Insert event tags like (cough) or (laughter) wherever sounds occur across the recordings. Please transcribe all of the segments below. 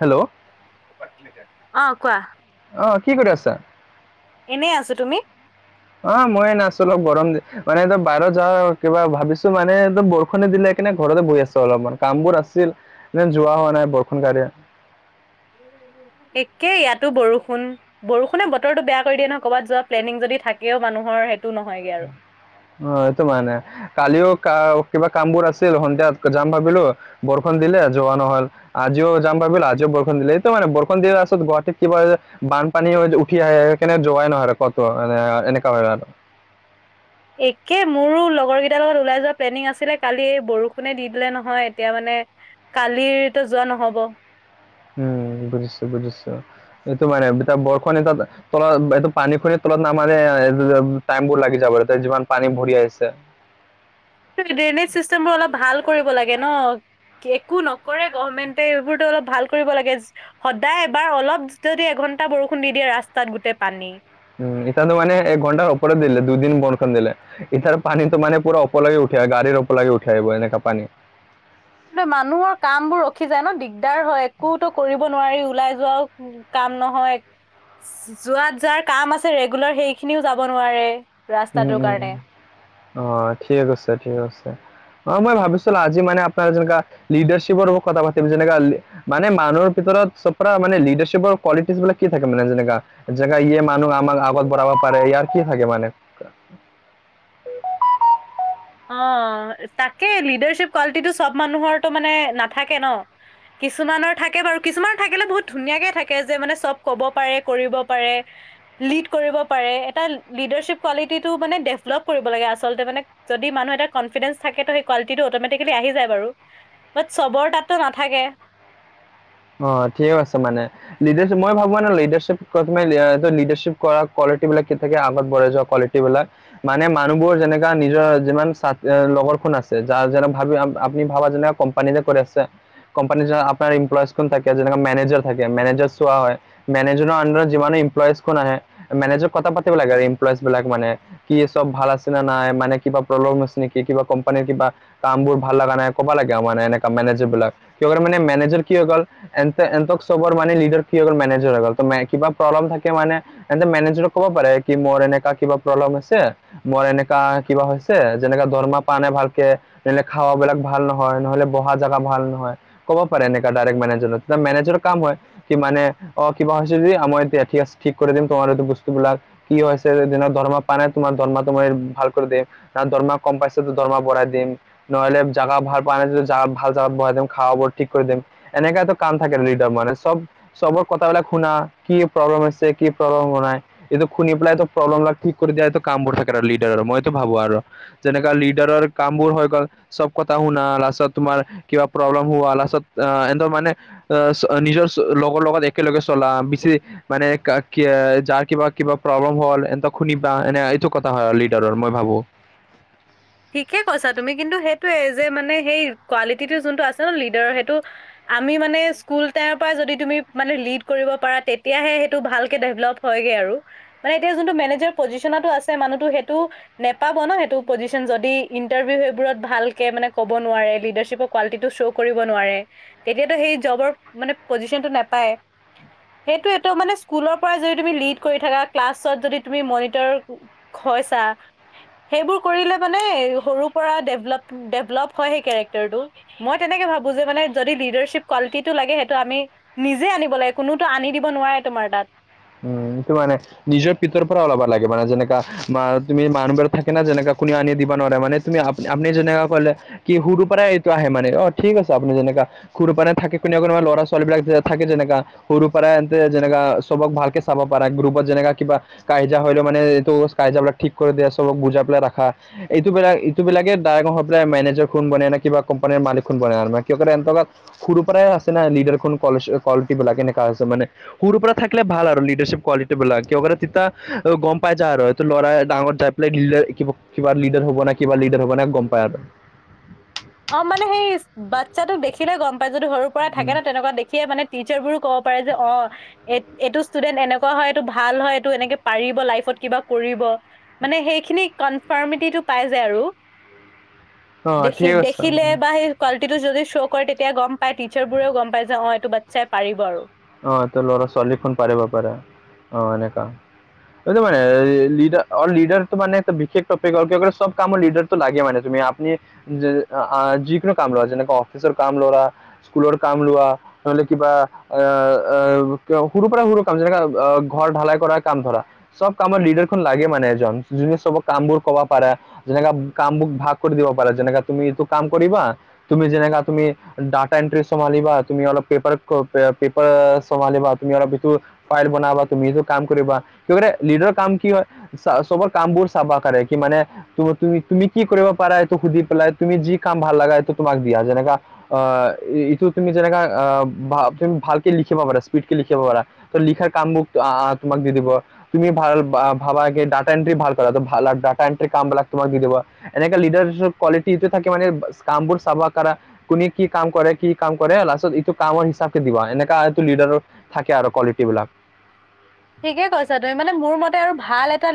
Hello? অ' কোৱা। অ' কি কৰি আছা? এনে আছোঁ। তুমি? অ' মই এনে আছোঁ। অলপ গৰম দি- মানে এটা বাহিৰত যাওঁ কিবা ভাবিছোঁ মানে বৰষুণে দিলে এইকানে ঘৰতে বহি আছোঁ অলপমান। কামবোৰ আছিল। ন যোৱা হোৱা নাই বৰষুণ কাৰে এক্কে, ইয়াতো বৰষুণ। বৰষুণে বতৰটো বেয়া কৰি দিয়ে নহয়, ক'ৰবাত যোৱা প্লেনিং যদি থাকেও মানুহৰ, সেইটো নহয়গে আৰু। অ' এইটো মানে। কালিও কা- কিবা কামবোৰ আছিল। সন্ধিয়াত যাম ভাবিলো। বৰষুণ দিলে, যোৱা নহ'ল। আজিও যাম ভাবিলোঁ, আজিও বৰষুণ দিলে। এইটো মানে, বৰষুণ দিলে আছত গুৱাহাটীত কিবাএ বান্ধ পানী উঠি আহে, এইকানে যোৱাই নহয় কতো। এনে- এনেকুৱা হয় আৰু। একে, মোৰো লগৰ কেইটাৰ লগত ওলাই যোৱা প্লেনিং আছিলে কালি, বৰষুণে দি দিলে নহয়, এতিয়া মানে কালিৰতো যোৱা নহব। উম, বুজিছোঁ - বুজিছোঁ। এইটো মানে এতিয়া বৰষুণে তাত তলত এইটো পানী সৰি তলত নামানে (unintelligible) টাইমবোৰ লাগি যাব তাতে, যিমান পানী ভৰি আহিছে। তাকে, ড্ৰেইনেজ চিষ্টেমবোৰ অলপ ভাল কৰিব লাগে ন'। একো নকৰে গভমেন্টে। এইবোৰতো অলপ ভাল কৰিব লাগে সদায় এবাৰ অলপ যদি এঘন্টা বৰষুণ দি দিয়ে ৰাস্তাত, গোটেই পানী। উম, এতিয়াতো মানে এক ঘণ্টাৰ ওপৰত দিলে। দুদিন বৰষুণ দিলে। এতিয়া আৰু পানীটো মানে পুৰা ওপৰলৈকে উঠি আহে, গাড়ীৰ ওপৰলৈকে উঠি আহিব। এনেকা পানী। কিন্তু মানুহৰ কামবোৰ ৰখি যায় ন', দিগদাৰ হয়, একোতো কৰিব নোৱাৰি। ওলাই যোৱাও কাম নহয়, য- যোৱাত যাৰ কাম আছে ৰেগুলাৰ, সেইখিনিও যাব নোৱাৰে। উম - উম ৰাস্তাটোৰ - উম। কাৰণে অ' ঠিক আছে, ঠিক আছে। অ' মই ভাবিছিলো আজি মানে আপোনাৰ যেনেকা, লিডাৰশ্বিপৰ কথা পাতিম, যেনেকা লি মানে মানুহৰ ভিতৰত চব পৰা মানে লিডাৰশ্বিপৰ কোৱালিটিজ বিলাক কি থাকে মানে যেনেকা? জেগা ইয়ে মানুহ আমাৰ আগত বঢ়াব পাৰে ইয়াৰ কি থাকে মানে এনকা? অ', তাকে লীডাৰশ্বীপ কোৱালিটিটো চ'ব মানুহৰটো মানে নাথাকে ন? কিছুমানৰ থাকে বাৰু। কিছুমানৰ থাকিলে বহুত ধুনীয়াকে থাকে, যে মানে চব ক'ব পাৰে, কৰিব পাৰে। লিড কৰিব পাৰে। এটা লিডাৰশ্বিপ কোৱালিটিটো মানে ডেভলপ কৰিব লাগে আচলতে মানে যদি মানুহ এটা কফিডেন্ঞ্চ থাকে, তো সেই কোৱালটটো অ'টোমেটিকেলি আহি যায় বাৰু। বাট চবৰ তাতো নাথাকে। অ', ঠিকে আছে মানে লিডাৰশ্বিপ মই ভাবোঁ মানে লডাৰশ্বি প্ৰথম এই লডাৰশ্বপ কৰা কোৱালিটি বিলাক কি থাকে আগত বঢ়াই যোৱা কোৱালিটি এইবিলাক। মানে মানুহবোৰ যেনেকা নিজৰ যিমান চা লগৰখন আছে যাৰ যেনে ভাবি আপ আপনি ভাবা যেনেকা কম কোম্পানী যে কৰি আছে। কোম্পানী যে আপোনাৰ ইমপ্লয়জখন থাকে যেনেকা মেনেজাৰ থাকে মেনেজাৰ চোৱা হয়। মেনেজাৰ আন্দাৰত যিমান ইমপ্লয়জখন আহে, মেনেজাৰ কথা পাতিব লাগে আৰু ইমপ্লয়জ বিলাক মানে। কি চ'ব ভাল আছে না নাই, মানে কিবা প্ৰব্লেম আছে নিকি? কিবা কোম্পানীৰ কিবা কামবোৰ ভাল লগা নাই কবা লাগে মানে এনেকা মেনেজাৰ বিলাক। কিয় কাৰণে মেনেজাৰ কি হৈ গ'ল? এন্তে এন্তক চবৰ মানে লিডাৰ কি হৈ গল মেনেজাৰ হৈ গল। ত কিবা প্ৰব্লেম থাকে মানে এ মেনেজাৰক কব পাৰে কি মোৰ এনেকা কিবা প্ৰব্লেম আছে মোৰ এনেকা কিবা হৈছে, যেনেকা দৰমা পা নাই ভালকে। নহলে খাৱাবিলাক ভাল নহয়, নহ'লে বহা জাগা ভাল নহয়, ক'ব পাৰে এনেকা ডাইৰেক্ট মেনেজ (unintelligible) মেনেজাৰৰ কাম হয়। কি মানে অ, কিবা হৈছে যদি মই এতিয়া ঠিক আছে, ঠিক কৰি দিম তোমাৰ বস্তুবিলাক। কি হৈছে যেনেক ধৰৰ্মা পাৱা নাই তোমাৰ ধৰৰ্মাটো মই ভাল কৰি দে ন দৰমা ক'ম পাইছে তো দৰমা বঢ়াই দিম। নহ'লে জাগা ভাল পোৱা নাই যদি জাগা ভাল জাগাত বৱাই দিম, খাৱা বোৱা ঠিক কৰি দিম, এনেকাটো কান থাকে লিডাৰ মানে চ'ব, চবৰ কথাবিলাক শুনা কি প্ৰব্লেম আছে কি প্ৰব্লেম হোৱা নাই। এইটো খুনি পেলাই ত প্ৰব্লেম বিলাক ঠিক কৰি দিয়াইটো কাম বোৰ থাকে আৰু লিডাৰৰ, মইতো ভাবোঁ আৰু। যেনেকা লিডাৰৰ কাম বোৰ হৈ গল চ'ব কথা শুনা লাচত তোমাৰ কিবা প্ৰব্লেম হোৱা লাচত এনতৰ মানে চ নিজৰ লগৰ লগত একেলগে চলা, বেছি মানে কাৰ কি আ যাৰ কিবা-কিবা প্ৰব্লেম হল এনতক শুনিবা এনে এইটো কথা হয় আৰু লিডাৰৰ মই ভাবোঁ। (unintelligible) ঠিকেই কৈছা তুমি কিন্তু সেইটোয়ে যে মানে সেই কোৱালিটিটো যোনটো আছে ন লিডাৰৰ সেইটো আমি মানে স্ক স্কুল টাইমৰ পৰা যদি তুমি মানে লিড কৰিব পাৰা তেতিয়াহে সেইটো ভালকে ডেভলপ হয়গে আৰু। মানে এতিয়া যোনটো মেনেজাৰ পজিশনত আছে মানুহতো সেইটো নেপাব ন সেইটো পজিচন যদি ইন্টাৰভিউ সেইবোৰত ভালকে মানে ক'ব নোৱাৰে লিডাৰশ্বিপক কোৱালিটিটো শ্ব' কৰিব নোৱাৰে তেতিয়া টো সেই জবৰ মানে পজিচনটো নাপায়। সেইটো এইটো মানে স্কুলৰ পৰা যদি তুমি লিড কৰি থাকা ক্লাছত যদি তুমি মনিটৰ হৈছা। সেইবোৰ কৰিলে মানে সৰুৰ পৰা ডেভলপ-ডেভলপ হয় সেই কেৰেক্টাৰটো। মই তেনেকে ভাবো যে মানে যদি লিডাৰশ্বিপ কোৱালিটিত টো লাগে সেইটো আমি নিজে আনিব লাগে কোনোতো আনি দিব নোৱাৰে তোমাৰ তাত। উনটো মানে নিজৰ পিতৰ পৰা ওলাবা লাগে মানে যেনেকা মা তুমি মানবৰ থাকে যেনেকা কোনে আনি দিবা নোৱাৰে মানে তুমি আপ আপুনি যেনেকা কলে কি সৰুৰ পৰাই এইটো আহে মানে অ', ঠিক আছে আপুনি যেনেকা সৰু পৰা থাকে কোনেবা-কোনোবা ল'ৰা ছোৱালীবিলাক থাকে যেনেকা সৰুৰ পৰাই এনতে যেনেকা চবক ভালকে চাব পাৰে গ্ৰুপত যেনেকা কিবা কাই-জা হলেও মানে এইটো কাই-জাবিলাক ঠিক কৰি দিয়া চবক বুজাই পেলাই ৰাখা। এইটো বিলাক ইটো বিলাকে ডাই (unintelligible) মেনেজাৰ খোন বনে নে কিবা কোম্পানীৰ মালিক খোন বনে আৰু (unintelligible) সৰু পৰাই আছে না? লিডাৰখন, কলেজ, কোৱালিটি বিলাক কেনেকা হৈছে। মানে, সৰু পৰা থাকিলে ভাল আৰু। বেছি কোৱালিটি বিলাক, কিহৰ কাৰণে তিতা? গম পাই যাই আৰু। ল'ৰাই ডাঙৰ যাই পেলাই কিবা লিডাৰ হব নাই, কিবা লিডাৰ হব নাই? গম পায় আৰু। অ'! মানে সেই, বাচ্ছা তোক দেখিলেই গম পাই। যদি, সৰুৰ পৰা থাকে ন' তেনেকুৱা দেখিয়ে মানে টিচাৰ বোৰো ক'ব পাৰে যে অ'। এ এইটো ষ্টুডেন্ট এনেকুৱা হয়, এইটো ভাল হয়, এইটো এনেকে পাৰিব লাইফত কিবা কৰিব। মানে সেইখিনি কনফাৰ্মিটিটো পাই যায় আৰু। অ দেখি ঠিক দে আছে সেই কোৱালিটি টো যদি শ্ব' কৰে তেতিয়া গম পাই টিচাৰ বোৰেও গম পায় যে অ এইটো বাচ্ছাই পাৰিব আৰু। অ'! ত' ল'ৰা -ছোৱালীখন পাৰিব পাৰে। অ'! এনেকা। এইটো মানে, লিডাৰ, অ'! লিডাৰটো মানে, বিশেষ টপিকত, কিহৰ কাৰণে, চব কামৰ লিডাৰ লাগে মানে। তুমি, আপুনি আঁ যিকোনো কাম লোৱা, যেনেকে অফিচৰ কাম ল়'লা। স্কুলৰ কাম লোৱা? নহ'লে কিবা (unintelligible) সৰু পৰা, সৰু কাম। যেনেকে, ঘৰ ঢালাই কৰা কাম ধৰা। চব কামৰ, লিডাৰ লাগে মানে এজন! যেনে চবৰ কামবোৰ ক'বা পাৰা? যেনেকা কামবোৰ ভাগ কৰি দিব পাৰে। যেনেকা, তুমি এইটো কাম কৰিবা? তুমি যেনেকা, তুমি ডাটা এণ্ট্ৰি চম্ভালিবা? তুমি অলপ পেপাৰ ক্ৰপ পে, পেপাৰ চম্ভলিবা? তুমি আৰু (unintelligible) ফাইল বনাবা তুমি? এইটো কাম কৰিবা? কি কৰে, লিডাৰৰ কাম কি হয়? চবৰ কামবোৰ চাবা (unintelligible) কি মানে, তুমি, তুমি, তুমি কি কৰিব পাৰা? এইটো সুধি পেলাই, তুমি যি কাম ভাল লগা! এইটো তোমাক দিয়া। যেনেকা, অ'! ইটো তুমি যেনেকা, আঁ ভা তুমি ভালকে লিখিব পাৰে। স্পীডকে লিখিব পাৰা? ত' লিখাৰ কাম বোৰ তোমাক দি দিব। তুমি ভাল, ভাবা কি? ডাটা এণ্ট্ৰি ভাল কৰাতোঁ ডাটা এণ্ট্ৰি কামবিলাক তোমাক দি দিব। এনেকে, লিডাৰশ্বিপ কোৱালিটিটো থাকে মানে, কামবোৰ চাব পাৰা। কোনে, কি কাম কৰে? কি কি কাম কৰে? লাষ্টত এইটো কামৰ হিচাপটো দিব। এনেকাটো, লিডাৰৰ থাকে আৰু কোৱালিটি বিলাক। ঠিকে কৈছা তুমি! মানে, মোৰ মতে আৰু ভাল এটা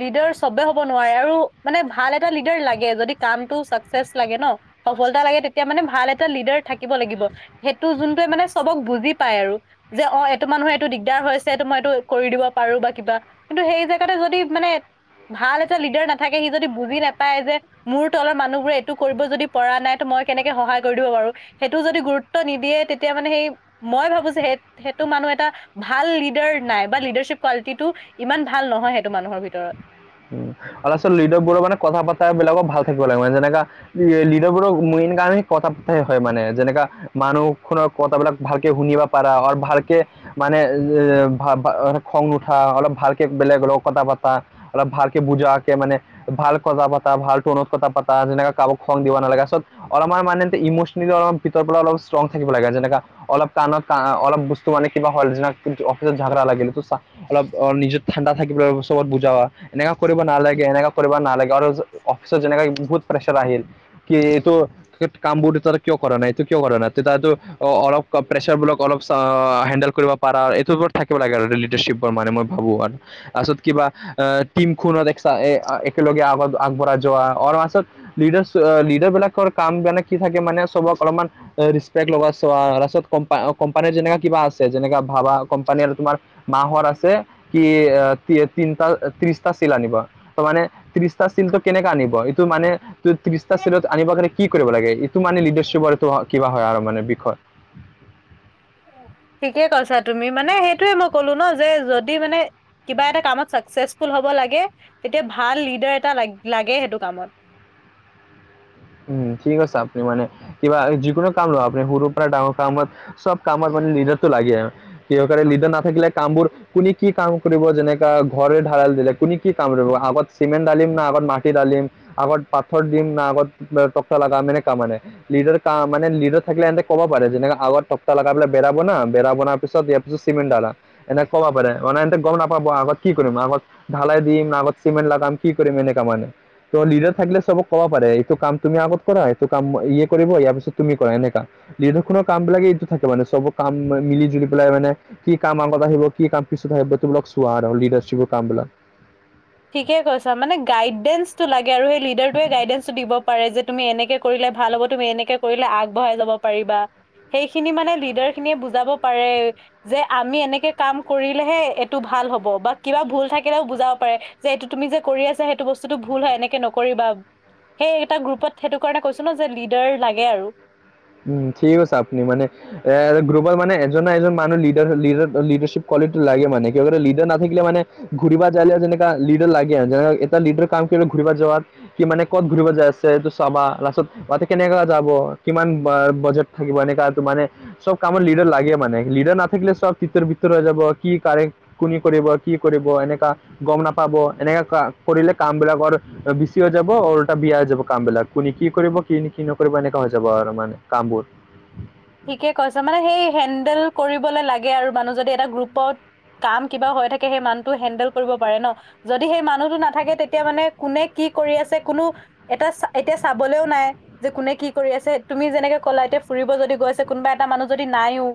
লিডাৰ চবে হ'ব নোৱাৰে আৰু। মানে, ভাল এটা লিডাৰ লাগে। যদি কামটো চাকচেচ লাগে ন'। সফলতা লাগে। তেতিয়া মানে, ভাল এটা লিডাৰ থাক কিব লাগিব। সেইটো, যোনটোৱে মানে, চবক বুজি পায় আৰু। যে, অ'! এইটো মানুহৰ, এইটো দিগদাৰ হৈছে। এইটো, মই এইটো, কৰি দিব পাৰোঁ বা কিবা। কিন্তু, সেই জেগাতে যদি মানে, ভাল এটা লিডাৰ নাথাকে। সি যদি বুজি নাপায়, যে মোৰ তলৰ মানুহবোৰে এইটো কৰিব যদি পৰা নাই। ত' মই কেনেকে সহায় কৰি দিব পাৰোঁ। সেইটো যদি গুৰুত্ব নিদিয়ে। তেতিয়া মানে, সেই, মই ভাবোঁ যে, সেই, সেইটো মানুহ এটা ভাল লিডাৰ নাই বা লিডাৰশ্বিপ কোৱালিটিটো ইমান ভাল নহয়! সেইটো মানুহৰ ভিতৰত। উম! আৰু আচল লিডাৰবোৰৰ মানে, কথা পাতা বিলাকো ভাল থাকিব লাগে মানে। যেনেকা লিডাৰবোৰ মেইন কামে, সেই কথা পতাই হয় মানে। যেনেকা মানুহ খনৰ কথাবিলাক ভালকে শুনিব পাৰা আৰু ভালকে মানে, এ, ভা -ভা খং নুঠা, অলপ ভালকে বেলেগৰ লগ কথা পাতা। অলপ ভালকে বুজাকে মানে। ভাল কথা পাতা, ভাল টোনত কথা পাতা। যেনেকা, কাৰোবাক খং দিব নালাগে। আচলত অলপমান মানে, ইমচনেলি অলপ, ভিতৰ পৰা, অলপ ষ্ট্ৰং থাকিব লাগে। যেনেকা অলপ টানত আঁ অলপ বস্তু মানে, কিবা হ'ল। (unintelligible) কিন্তু, অফিচত ঝাগৰা লাগিল। (unintelligible) অলপ অ'! নিজেও ঠাণ্ডা থাকিব লাগিব, চবক বুজোৱা। এনেকুৱা কৰিব নালাগে, এনেকুৱা কৰিব নালাগে। আৰু অফিচত যেনেকুৱা, বহুত প্ৰেছাৰ আহিল। কি, এইটো? কাম বোৰ কিয় এতিয়ালৈ কৰা নাই? এইটো কিয় কৰা নাই? তে' তাৰ তো অ'! অলপ প্ৰেছাৰবোৰক অলপ হেণ্ডেল কৰিব (unintelligible) বোৰত থাকিব লাগে আৰু লিডাৰশ্বিপৰ মানে, মই ভাবোঁ আৰু তাৰপিছত, কিবা এ, (unintelligible) এ, একেলগে আগত, আগবঢ়ায় যোৱা। (unintelligible) লিডাৰ, লিডাৰ বিলাকৰ, কাম মানে, কি থাকে মানে? চবক অলপমান অ'! ৰেস্পেক্ট লগা চোৱা। (unintelligible) কম্পা, কম্পানীত যেনেকা কিবা আছে, যেনেকা ভাবা! কোম্পানী আৰু তোমাৰ মাহৰ আছে। কি, আঁ তিনটা, ত্ৰিশটা চিল আনিব? ত' মানে, ত্ৰিশটা চিলটো কেনেকা আনিব? এইটো মানে, ত্ৰি ত্ৰিছটা চিৰত আনিব কাৰণে কি কৰিব লাগে? এইটো মানে লিডাৰশ্বিপৰ কিবা হয় আৰু মানে বিষয়। ঠিকে কৈছা তুমি। মানে সেইটোৱে মই ক'লো ন যে যদি মানে কিবা এটা কামত, চাকচেচফুল হ'ব লাগে। তেতিয়া, ভাল লিডাৰ এটা লা, লাগে সেইটো কামত। উম, ঠিক আছে। আপুনি মানে, কিবা যিকোনো কাম লোৱা? আপুনি সৰুৰ পৰা ডাঙৰ কামত চব কামত মানে লিডাৰটো লাগে আৰু। কিহৰ কাৰণে লিডাৰ নাথাকিলে কামবোৰ কুনি কি কাম কৰিব যেনেকা ঘৰে ঢাৰাল দিলে। কুনি কি কাম কৰিব? আগত চিমেণ্ট ধালিম না আগত মাটি ধালিম? আগত পাথৰ দিম না আগত টকতা লগাম এনেকা মানে। লিদাৰ কা মানে লি ডাৰ থাকলে ইহঁতে কব পাৰে যেনেকা আগত টকতা লগায় পেলাই বেৰা বনা। বেৰা বনাৰ পিছত ইয়াৰ পিছত চিমেণ্ট দালা। এনে কব পাৰে। মানে এহেতে গম নাপাব আগত কি কৰিম আগত ঢালাই দিম না আগত চিমেণ্ট লগাম কি কৰিম এনেকা মানে। ত লিডাৰ থাকিলে চবক ক'ব পাৰে। এইটো কাম তুমি আগত কৰা। সেইটো কাম ইয়ে কৰিব।, ইয়াৰ পিছত তুমি কৰা এনেকা। নিৰ্দুষণৰ কাম বিলাকে এইটো থাকে মানে চব কাম মিলি জুলি পেলাই মানে কি কাম আগত আহিব, কি কাম পিছত আহিব তোমালাক চোৱা আৰু লিডাৰশ্বিপৰ কাম বিলাক। ঠিকে কৈছা মানে। গাইডেন্স টো লাগে আৰু সেই লিডাৰটোৱে গাইডেন্সটো দিব পাৰে যে তুমি এনেকে কৰিলে ভাল হ'ব, তুমি এনেকে কৰিলে আগবঢ়াই যাব পাৰিবা। সেইখিনি মানে লিডাৰখিনিয়ে বুজাব পাৰে। যে আমি এনেকে কাম কৰিলেহে এইটো ভাল হ'ব বা কিবা ভুল থাকিলেও বুজাব পাৰে। যে এইটো তুমি যে কৰি আছা সেইটো বস্তুটো ভুল হয় এনেকে নকৰিবা। সেই এটা গ্ৰুপত সেইটো কাৰণে কৈছো ন যে লিডাৰ লাগে আৰু। উম ঠিক কৈছে আপুনি মানে এ গ্ৰুপত মানে এজন না এজন মানুহ লিডাৰ লিডাৰ লিডাৰশ্বিপ কোৱালিটি লাগে। মানে কিহৰ কাৰণে লিডাৰ নাথাকিলে মানে ঘূৰিবা যালেও যেনেকা লিডাৰ লাগে। যেনে ধৰক এটা লিডাৰ কাম কৰি ঘূৰিবা যোৱাত। কি মানে ক'ত ঘূৰিব যাই আছে এইটো চাবা। লাষ্টত বাতে কেনেকা যাব, কিমান বা বজেট থাকিব এনেকুৱা তো মানে চব কামত লিডাৰ লাগেই মানে। লিডাৰ নাথাকিলে চব তিত্তৰ বিত্তৰ হৈ যাব। কি কাৰেক্ট কুনি কৰিব, কি কৰিব এনেকা গম নাপাব। এনেকা কা কৰিলে কামবিলাকৰ বিছি হৈ যাব আৰুটা বিয়া হৈ যাব কাম বিলাক কোনে কি কৰিব কিন কিন কৰিব এনেকা হৈ যাব আৰু মানে কামবোৰ। ঠিকে কৈছা। মানে সেই হেণ্ডেল কৰিবলৈ লাগে আৰু মানুহ যদি এটা গ্ৰুপত কাম কিবা হৈ থাকে সেই মানুহটো হেন্দেল কৰিব পাৰে ন। যদি সেই মানুহটো নাথাকে তেতিয়া মানে কোনে কি কৰি আছে কোনো এটা এতিয়া চাবলৈও নাই যে কোনে কি কৰি আছে। তুমি যেনেকে ক'লা এতিয়া ফুৰিব যদি গৈছে কোনোবা এটা মানুহ যদি নাইও।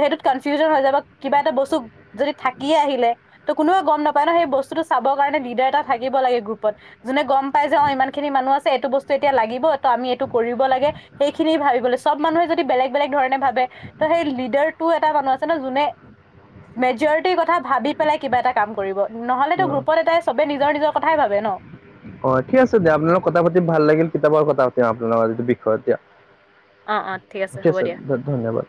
সেইটোত কনফিউজন হৈ যাব। কিবা এটা বস্তু যদি থাকি আহিলে ত' কোনোৱে গম নাপায় ন সেই বস্তুটো চাবৰ কাৰণে লিডাৰ এটা থাকিব লাগে গ্ৰুপত। যোনে গম পাই যে অ ইমান খিনি মানুহ আছে, এইটো বস্তু এতিয়া লাগিব ত আমি এইটো কৰিব লাগে। সেইখিনিয়ে ভাবিবলৈ চব মানুহে যদি বেলেগ বেলেগ ধৰণে ভাবে। ত' সেই লিডাৰটো এটা মানুহ আছে ন যোনে মেজৰিটিৰ কথা ভাবি পেলাই কিবা এটা কাম কৰিব। নহলেতো গ্ৰুপত এটাই চবে নিজৰ নিজৰ কথাই ভাবে ন। অ ঠিক আছে দিয়া আপোনাৰ লগত কথা পাতি ভাল লাগিল। কেতিয়াবা কথা পাতিম আপোনালোকৰ লগত এইটো বিষয়ত দিয়ক। অ অ ঠিক ঠিকে হ'ব আছে, দিয়া ধ ধন্যবাদ।